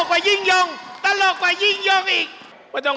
คุณยิ่งย่งลองกิน